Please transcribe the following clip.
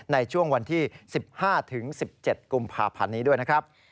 ในช่วงวันที่๑๕๑๗กุมภาพันธ์นี้ด้วยนะครับ